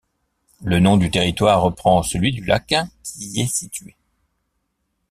Le nom du territoire reprend celui du lac qui y est situé.